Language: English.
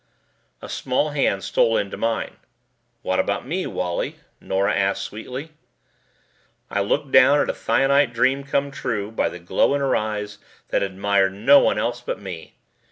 A small hand stole into mine. "How about me, Wally?" Nora asked sweetly. I looked down at a thionite dream come true by the glow in her eyes that admired no one else but me.